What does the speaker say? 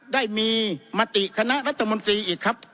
ได้มีมติคณะรัฐมนตรีอีกครับ